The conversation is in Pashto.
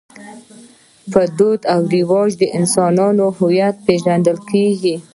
په دود او رواج د انسانانو هویت پېژندل کېږي.